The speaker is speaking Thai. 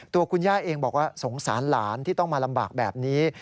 ตัวคุณย่าเองบอกว่าสงสารหลานที่ต้องมาลำบากแบบนี้